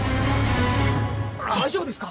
大丈夫ですか？